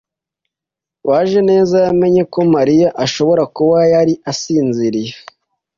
Bajeneza yamenye ko Mariya ashobora kuba yari asinziriye.